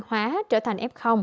hóa trở thành f